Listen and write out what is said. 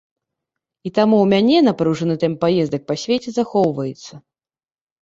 І таму ў мяне напружаны тэмп паездак па свеце захоўваецца.